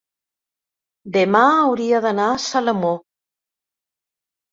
demà hauria d'anar a Salomó.